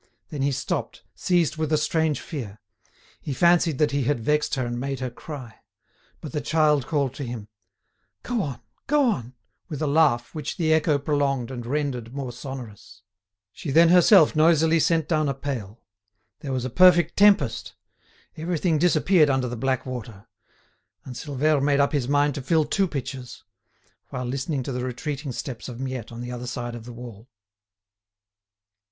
Then he stopped, seized with a strange fear; he fancied that he had vexed her and made her cry. But the child called to him, "Go on! go on!" with a laugh which the echo prolonged and rendered more sonorous. She herself then nosily sent down a pail. There was a perfect tempest. Everything disappeared under the black water. And Silvère made up his mind to fill two pitchers, while listening to the retreating steps of Miette on the other side of the wall.